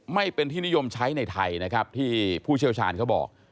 ไม่เป็นที่นิยมใช้ในไทยนะครับที่ผู้เชี่ยวชาญเขาบอก